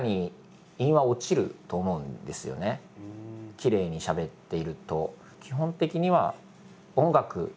きれいにしゃべっていると。